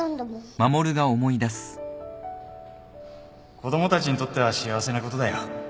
子供たちにとっては幸せなことだよ